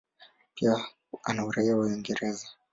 Pia ana uraia wa Uingereza.